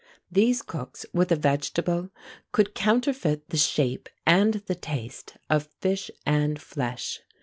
These cooks, with a vegetable, could counterfeit the shape and the taste of fish and flesh.